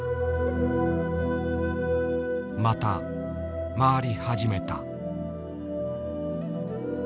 また回り始めた。